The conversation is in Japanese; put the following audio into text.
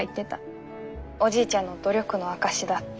おじいちゃんの努力の証しだって。